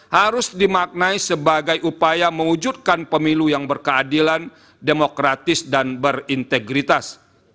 harus dimaknai sebagai upaya mewujudkan pemilu yang berkeadilan demokratis dan berintegritas